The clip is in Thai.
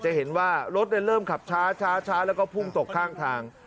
จะเห็นว่ารถเริ่มขับช้าแล้วก็พุ่งตกข้างทาง